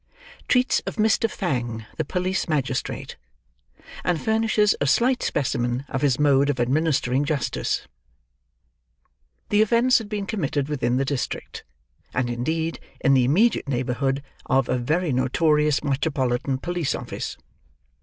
TREATS OF MR. FANG THE POLICE MAGISTRATE; AND FURNISHES A SLIGHT SPECIMEN OF HIS MODE OF ADMINISTERING JUSTICE The offence had been committed within the district, and indeed in the immediate neighborhood of, a very notorious metropolitan police office.